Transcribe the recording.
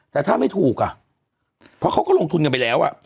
แต่ถ้าไม่ถูกอ่ะเพราะเขาก็ลงทุนกันไปแล้ว